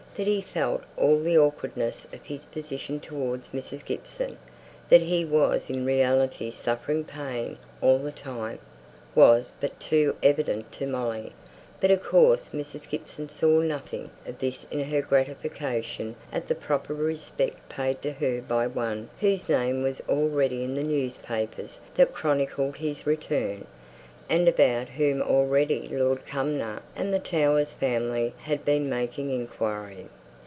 That he felt all the awkwardness of his position towards Mrs. Gibson that he was in reality suffering pain all the time was but too evident to Molly; but, of course, Mrs. Gibson saw nothing of this in her gratification at the proper respect paid to her by one whose name was in the newspapers that chronicled his return, and about whom already Lord Cumnor and the Towers family had been making inquiry.